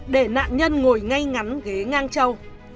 để nạn nhân ngồi ngay ngắn ghế ngang châu